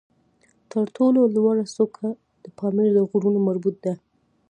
تر ټولو لوړه څوکه د پامیر د غرونو مربوط ده